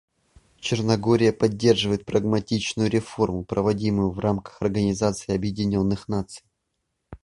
Черногория поддерживает прагматичную реформу, проводимую в рамках Организации Объединенных Наций.